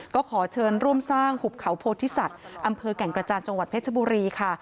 ก็ขอเชิญร่วมสร้างหุบเขาโพธิสัตว์อำเภอแก่งกระจานจังหวัดเพชรบุรีค่ะ